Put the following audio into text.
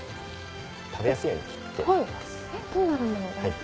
食べやすいように切っていきます。